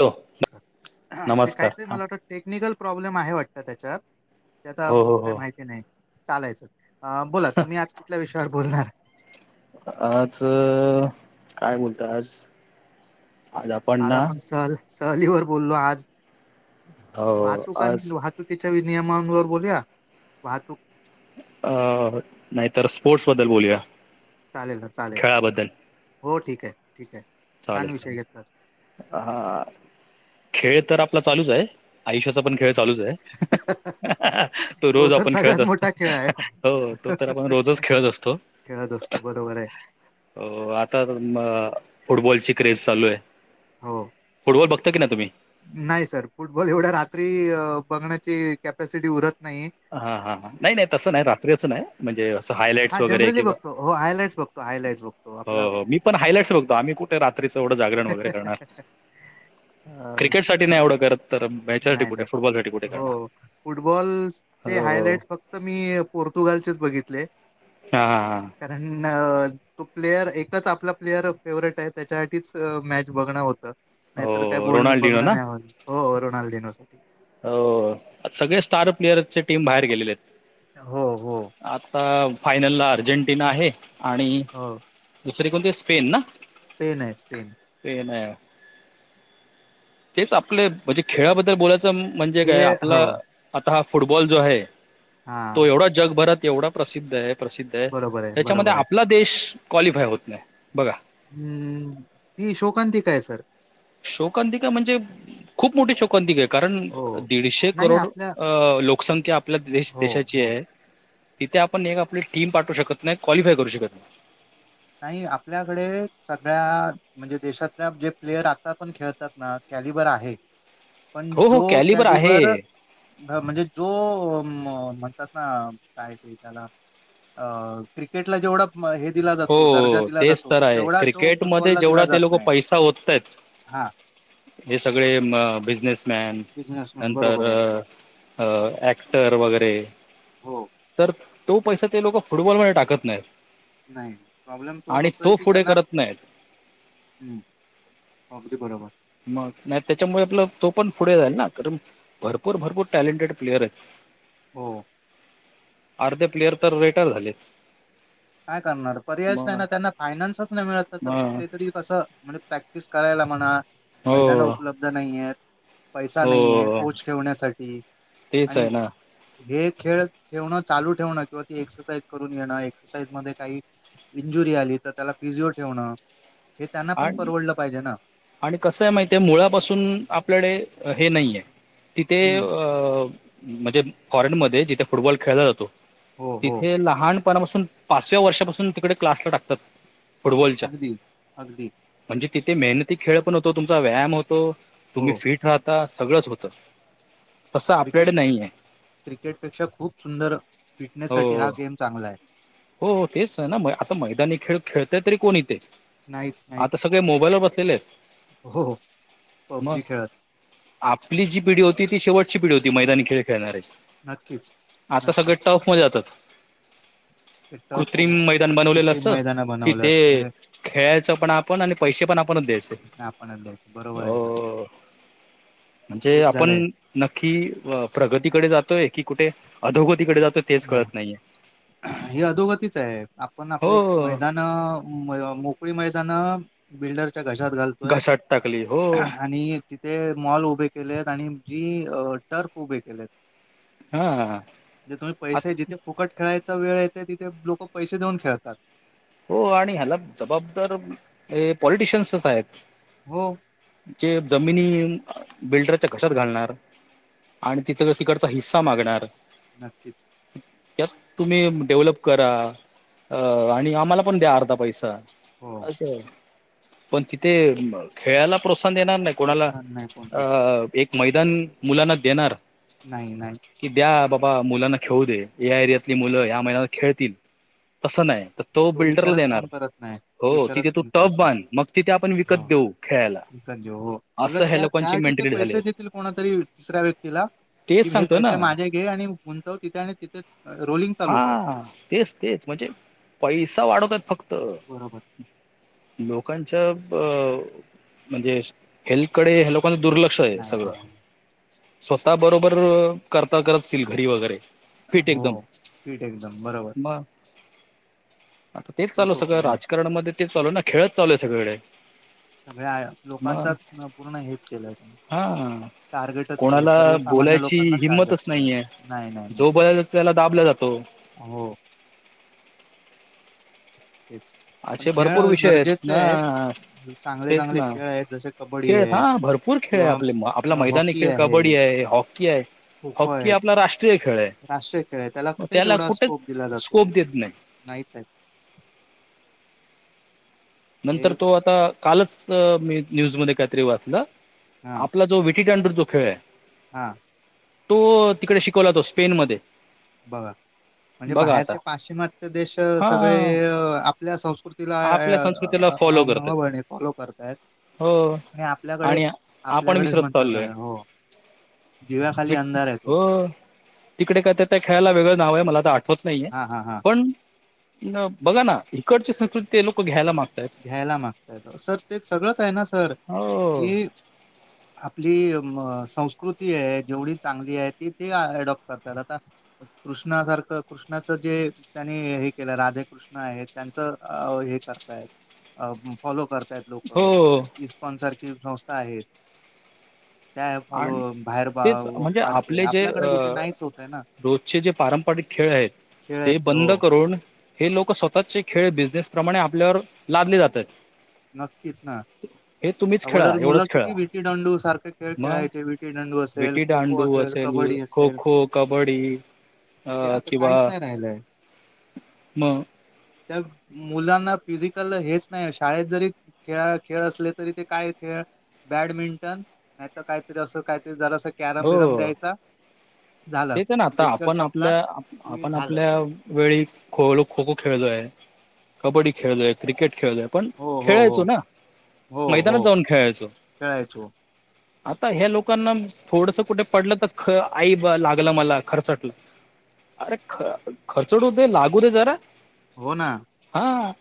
Hello ते नमस्कार कायतरी मला वाट टेक्निकल प्रॉब्लेम आहे वाटत त्याच्यात त्याता हो हो हो काय माहिती नाही चालायचं. बोला तुम्ही आज कुठल्या विषयावर बोलणार. आज काय बोलता आज. आज काल ना आपण सहल सहलीवर बोललो आज हो वाहतूक आज वा चुकीच्या नियमांवर बोलूया वाहतूक अ नाही तरर स्पोर्ट्स बद्दल बोलूया. चालेल ना चालेल खेळाबद्दल हो ठीक आहे ठीक आहे. छान चालेल विषय चालेल. घेतला. हा खेळ तर आपला चालूच आहे आयुष्याचा पण खेळ हो. चालूच आहे. तो रोज तर आपण खेळत सगळ्यात असतो मोठा खेळ आहे. हो तो तर आपण रोजच खेळत असतो. खेळत असतो बरोबर आहे. हो आता म फुटबॉलची क्रेज चालू आहे. हो. फुटबॉल बघता की नाय तुम्ही नाही सर फुटबॉल एवढ्या रात्री अ बघण्याची कॅपॅसिटी उरत नाही. हा हा नाही नाही तसं नाही रात्री अस नाही. म्हणजे असं हायलाइट्स हा वगैरे जनरली किंवा बघतो. हो हायलाइट्स बघतो, हायलाइट्स बघतो. हो आपलं हो मी पण हायलाईट्स बघतो आम्ही कुठे रात्रीच एवढं जागरण वगैरे करणार. अं, क्रिकेट साठी अ, नाही एवढं करत तर याच्यासाठी कुठे फुटबॉलसाठी कुठे करणार. फुटबॉल चे हो. हायलाइट फक्त मी पोर्तुगालचेच बघितले. हा हा हा हा कारण तो प्लेयर एकच आपला प्लेअर फेवरेट आहे त्याच्यासाठीच मॅच बघणं होतं. नाहीतर काय हो बोल रोनाल्डिनो बघणं ना? नाही आ हो रोनाल्डीनो साठी हो सगळे स्टार प्लेअर चे टीम बाहेर गेलेले येत. हो, हो, आता फायनल ला अर्जेंटिना आहे आणि हो. दुसरी कोणती स्पेन ना स्पेन आहे स्पेन स्पेन आहे हेच आपले म्हणजे खेळाबद्दल बोलायचं म्हणजे काय खेळ हो. आपला आता हा फुटबॉल जो आहे तो हां. एवढा जगभरात एवढा प्रसिद्ध आहे प्रसिद्ध आहे बरोबर त्याच्यामध्ये बरोबर आहे. आपला देश क्वालिफाय होत नाय बघा हम्म ती शोकांतीका हाय सर शोकांंतिका म्हणजे खूप मोठी शोकांंतिका कारण हो. दीडशे नाही करोड आपल्या अ लोक लोकसंख्या आपल्या देश हो, देशाची हो. आहे. तिथे आपण एक आपली टीम पाठू शकत नाय क्वालिफाय करू शकत नाय. नाही आपल्याकडे सगळ्या म्हणजे देशातल्या जे प्लेयर आता पण खेळतात ना कॅलिबर आहे. पण हो हो जो आहे. कॅलिबर म्हणजे जो म म्हणतात ना काय ते त्याला अ क्रिकेटला जेवढा हे दिला जा हो तेच तर आहे क्रिकेटमध्ये फुटबॉलला दिला जेवढा जात ते लोक नाही. पैसा ओततायेत. हां, हे सगळे म अ बिझनेस मॅन बिझनेसमन नंतर बरोबर आहे. अ ऍक्टर वगैरे हो, तर तो पैसा ते लोक फुटबॉलमध्ये टाकत नाहीत. नाही. प्रॉब्लेम तोच आणि होतोय तो की पुढे त्यांना करत नाहीत ह् अगदी बरोबर मग नाय त्याच्यामुळे आपला तो पण पुढे जाईल ना कारण भरपूर भरपूर टॅलेंटेड प्लेअर आहेत. हो. अर्धे प्लेयर तर रिटायर झाले. काय करणार पर्यायच नाय मग ना त्यांना फायनान्सच नाय मिळत तर मग ते तरी कसं म्हणजे प्रॅक्टिस करायला म्हणा हो मैदाानं उपलब्ध नाहीयेत. पैसा नाहीये हो कोच ठेवण्यासाठी तेच आणि आहे ना हे खेळ ठेवण चालू ठेवणं किंवा ती एक्सरसाईज करून घेणं एक्स एक्सरसाईझ मध्ये काही इंजुरी आली तर त्याला पी जी ओ ठेवण. हे त्यांना पण आणि परवडलं पाहिजे ना आणि कसं आहे माहिती आहे मुळापासून आपल्याकडे हे नाहीये तिथे अ हम्म अ म्हणजे फॉरेन मध्ये जिथे फुटबॉल खेळला जातो हो हो तिथे लहान पणापासून पाचव्या वर्षापासून तिकडे क्लासला टाकतात. फुटबॉलच्या अगदी अगदी म्हणजे तिथे मेहनती खेळ पण होतो तुमचा व्यायाम होतो हो तुम्ही फिट राहता सगळंच होतं. तसं क्रिकेट आपल्याकडे नाही आहे क्रिकेटपेक्षा खूप सुंदर फिटनेस साठी हो हा गेम चांगला आहे. हो हो तेच आहे ना असं मैदानी खेळ खेळतय तरी कोणी येते. नाहीच आता नाहीच सगळे मोबाईलवर बसलेले हो हो आहेत पबजी मस्. खेळत आपली जी पिढी होती ती शेवटची पिढी होती मैदानी खेळ खेळणार्याची. नक्कीच आता नक्कीच सगळे टाफ मजा जात. एक टफ बनवलेलं कृतिम असतं मैदाना बनवलं असतं तिथे म्हणजे. खेळायचं पण आपण आणि पैसे पण आपणच द्यायचे आपणच द्यायचं बरोबर आहे ना हो. म्हणजे तेच झालंय आपण. नक्की प्रगतीकडे जातोय की कुठे अधोगतीकडे जातोय. तेच नाही कळत नाहीये हे अधोगतीच आहे आपण आपले हो मैदान. मोकळी मैदाानं बिल्डरच्या घशात घालतोय घसाट टाकली हो आणि. ते मॉल उभे केले आहेत आणि जी टर्फ उभे केलेत. हा हा. म्हणजे तुम्ही पैसे जिथे फुकट खेळायचा वेळेते तिथे लोक पैसे देऊन खेळतात. हो आणि ह्याला जबाबदार पॉलिटिशयन्सच आहेत. हो. ज जमिनी बिल्डरच्या कशात घालणार. आणि तिथं तिकडचा हिस्सा मागणार. नक्कीच. त्यात तुम्ही डेव्हलप करा अ आणि आम्हाला पण द्या अर्धा पैसा. हो अ पण तिथे खेळायला प्रोत्साहन देणार नाही. कोणाला प्रोत्साहन नाही कोण देत अ एक मैदान मुलांना देणार. नाही नाही. कि द्या बाबा मुलांना खेळू दे या एरियातली मुलं या्या महिलांना खेळतील. तं नाही. तो बिल्डरला विचारच देणार कोण करत नाही तो हो तिथे विचारच तू कोण करत टब नाही बध मग तिथे आपण विकत देऊ. खेळायला ज हो असं उलट ह्या त्या त्या लोकांची तथ मेंटेलिटी झाली पैसे देतील कोणातरी तिसऱ्या व्यक्तीला. तेच कि हे सांगतो ना पैसे माझे घे आणि गुंतव तिथे आणि तिथे रोलिंग चालू कर. हा तेच तेच म्हणजे पैसा वाढवतात फक्त. बरोबर लोकांच्या अ म्हणजे हेल्थकडे लोकांच दुर्लक्ष. क्ष नाही सगळ नाही नाही. स्वतः बरोबर करता करत घरी वगैरे. हो पीट एकदम बरोबर. वा. आता तेच चालू तोच होतो सगळं ना राजकारणमध्ये तेच चालूय ना खेळच चालू आहे सगळीकडे. सगळ्या मग लोकांचा पूर्ण हेच केलंय त्यांनी. हा. टार्गेटच केलंय कोणाला सर्वसामान्य बोलायची लोकांनाच टार्गेट हिंमतच केलंय नाहीये नाही नाही नाही. जो बोलायला त्याला दाबला जातो हो. तेच्. अछे भरपूर विषय आहेत ना. चांगले तेच चांगले ना खेळ आहेत जसे कबड्डी खेळ हा आहे भरपूर खेळ आहे किंवा आपले आपला मैदानी खेळ कबड्डी आहे हॉकी. क आहे. खो खो आहेत हॉकी आपला राष्ट्रीय खेळ आहे राष्ट्रीय खेळ आहे मग कुठे त्याला तेवढा कुठेच स्कोप दिला स्कोप जातो देत नाही. नाहीच. ते नंतर तो आता कालच मी न्यूज म काहीतरी वाचला हा आपला जो. अंडर दोखेय. हा. तो तिकडे शिकवला तो स्पेन मध्ये. बघा. म्हणजे बाहेरचे पाश्चिमात्य देश सगळे हा आपल्या संस्कृतीला. आपल्या संस्कृतीला फॉलो करतात मबणी फॉलो करतायत. हो आणि आपल्याकडे आणि आपण आपल्याकडेच विसरत म्हणतात चाललोय हो दिव्या खाली अंधार आहे हो तिकडे कात त्या खेळायला वेगळं नाव आहे मला तर आठवत नाहीये हा हा हा पण बघा ना इकडची संस्कृती लोक घ्यायला मागत घ्यायला मागताय सर ते सगळंच आहे ना सर हो, की आपली संस्कृती आहे जेवढी चांगली आहे ती ते अडॉप्ट करतात आता कृष्णा सारखं कृष्णाचं जे त्यांनी हे केलं राधेकृष्ण कृष्ण आहे त्यांच हे करताय अ फॉलो करताय लोक हो इस्कॉन सारखी संस्था आहेत त्या फॉलो आणि बाहेर तेच म्हणजे वाढते आपले जे अ आपल्याकडे कुठे नाहीच होतय ना रोजचे जे पारंपरिक खेळ आहेत खेळ आहेत ते हो बंद करून- हे लोक स्वतःचे खेळ बिझनेस प्रमाणे आपल्यावर लादले जाते- नक्कीच ना हे तुम्हीच खेळा, एवढंच खेळा. विटी दांडू सारखे- खेळ मग खेळायचे विटीदांडू असेल विटी खो-खो दांडू असेल कबड्डी खो असेल- खो, कबड्डी अ ते आता किंवा काहीच नाही राहिलंय. मग... त्या मुलांना फिजिकल हेच नाही अशे- शाळेत जरी खेळा, खेळ असले तरी ते काय खेळ- बॅडमिंटन नाही तर काहीतरी असं काहीतरी झालं अस कॅरम बिरम हो द्यायचा- झालं तेच ना आता लेक्चर आपण संपला आपल्या, की आपण झालं आपल्या- वेळी खो खो-खो खेळलोय, कबड्डी खेळलोय, क्रिकेट खेळलोय. पण हो हो हो खेळायचो ना हो हो मैदानात जाऊन खेळायचो. खेळायचो आता ह्या लोकांना थोडस कुठे पडलं तर ख आई लागल- मला खरचटलं अरे खरचटूदे लागू दे जरा- हो ना हा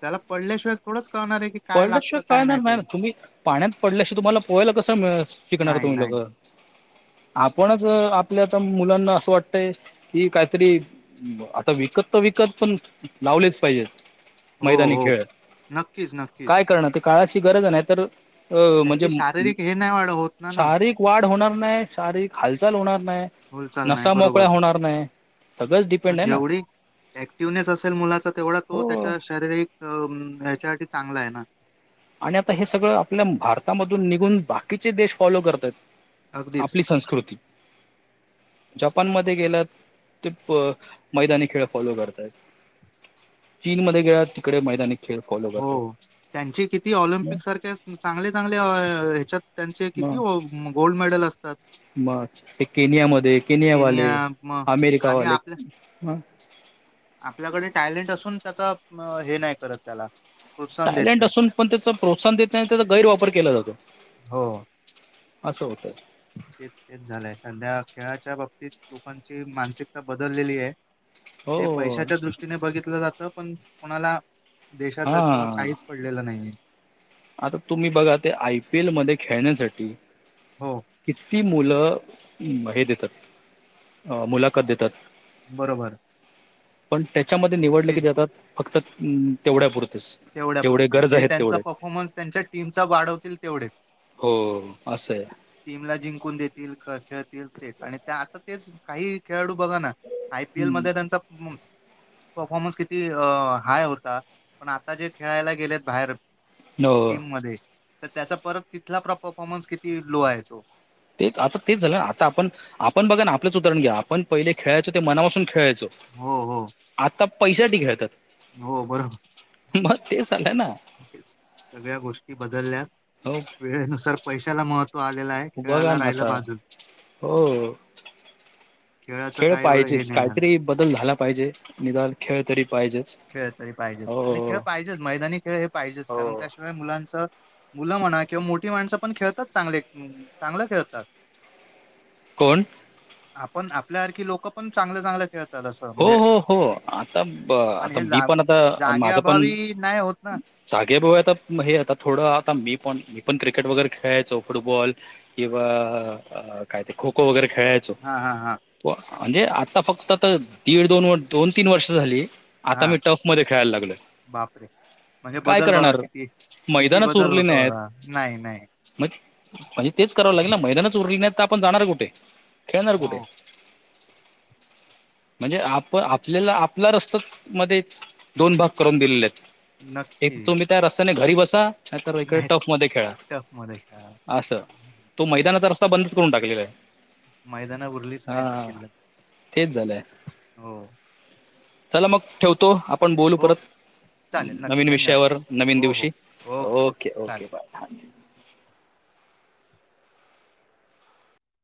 त्याला पडल्याशिवाय थोडच कळणार ये- पडल्याशिवाय काळणार नाही ना तुम्ही पाण्यात पडल्याशिवाय तुम्हाला पोहायला कसं शिकणार नाही तुम्ही नाही लोक? आपणच आपल्या आता मुलांना असं वाटतय कि काहीतरी- आता विकत तर विकत पण लावलेच पाहिजेत मैदानी खेळ. मग काय करणार ते काळाची गरज नाही तर अ म्हणजे त्यांची शारीरिक हे नाही वाढ होत ना ना शारीरीक- वाढ होणार नाही, शारीरिक हालचाल होणार नाही, बोलचाल नाही नसा मोकळ्या बरोबर होणार नाही. सगळच किती- जेवढी ऍक्टिवनेस असेल मुलाचा तेवढा तो हो त्याच्या शारीरिक- अ ह्याच्यासाठी चांगला आहे ना- आणि आता हे सगळं आपल्या भारतामधून निघून बाकीचे देश फॉलो करत आहेत. अगदीच. आपली संस्कृती... जपानमध्ये गेला ते मैदानी खेळ फॉलो करतायेत- चीन मध्ये गेला तिकडे मैदानी खेळ फॉलो करतात- त्यांची किती म ऑलिम्पिकसारख्या चांगले चांगल्या ह्याच्यात- त्यांचे म किती गोल्ड मेडल असतात- मग ते केनियामध्ये, केनियावाले, केनिया मग आणि अमेरिकावाले- आपल्या आपल्याकडे टॅलेंट असून त्याचा हे नाही करत त्याला- प्रोत्साहन देत टॅलेंट नाहीत. असुन पण त्याच प्रोत्साहन देत नाही त्याचा गैरवापर केला जातो. हो. असं होतंय.... तेच तेच झालंय सध्या खेळाच्या बाबतीत लोकांची मानसिकता बदललेली आहे. ते हो पैशाच्या दृष्टीने बघितलं जातं पण कोणाला देशाच हा किंवा काहीच- पडलेलं नाहीये. आता तुम्ही बघा ते आय पी एल मध्ये खेळण्यासाठी- हो... किती मुलं हे देतात अ मुलाखत देतात. बरोबर. पण त्याच्यामध्ये निवडले सी की ते आता फक्त तेवढ्या पुुरतेच. तेवढ्या पुुरते जे त्यांचा परफॉर्मन्स त्यांच्या टीमचा वाढवतील तेवढेच. हो असंय. टीमला जिंकून देतील खेळतील तेच आणि त्या आता तेच काही खेळाडू बघा ना. आय पी एल हम्म मध्ये त्यांचा परफॉर्मन्स किती हाय होता. पण आता जे खेळायला गेलेत बाहेर हो टीम मध्ये. तर त्याचा परत तिथला परफॉर्मन्स किती लो आहे तो. ते आता तेच झालं ना आता आपण आपण बघा ना आपलंच उदाहरण घ्या आपण पहिले खेळायचो ते मनापासून खेळायचो. हो हो. आता पैश्यासाठी खेळतात. हो बर. मग ते सांगा ना. तेच सगळ्या गोष्टी बदलल्या हो वेळेनुसार पैशाला महत्त्व आलेलं आहे. बघा खेळाला ना राहिलं आता बाजूला हो खेळाचं खेळ काय एवढं हे पाहिजेच नाही. झालं काहीतरी बदल झाला पाहिजे निदान खेळ तरी पाहिजेच. खेळ तरी हो पाहिजेच आणि खेळ हो पाहिजेच मैदानी खेळ हे पाहिजेच कारण हो त्या य मुलांच मुलं म्हणा किंवा मोठी माणसं पण खेळतात चांगले चांगलं खेळतात. कोण? आपण आपल्याारखी लोक पण चांगल्या चांगल्या खेळ हो हो हो आता आता हे मी जा पण आता जागे माझं पण अभावी नाही होत ना जागे भाऊ आता हे आता थोडं आता मी पण मी पण क्रिकेट वगैरे खेळायचो फुटबॉल. किंवा काय ते खो खो वगैरे खेळायचो. हा हा हा म्हणजे आता फक्त तर दीड दोन दोन तीन वर्ष झाली. आता मी हा टफ मध्ये खेळायला लागलो. बापरे. म्हणजे काय बदल बघा करणार किती किती बदल होतो नाही नाही. म म्हणजे तेच करावं लागेल ना मैदानाच उरली नाही तर आपण जाणार कुठे खेळणार हो कुठे. म्हणजे आप आपल्याला आपला रस्ता मध्ये दोन भाग करून दिलेले आहेत. एक नक्की तुम्ही त्या रस्त्याने घरी बसा. नाही तर इकडे टफ मध्ये खेळ टफ मध्ये खेळा असं हम्म, तो मैदानात अस बंदच करून टाकलेलं आहे. मैदान उरलीच नाही तर हा शिल्लक तेच झालंय हो. चला मग ठेवतो. आपण बोलू हो परत चालेल नक्की नवीन धन्यवाद विषयावर नवीन हो दिवशी हो ओके ओके बाय. हां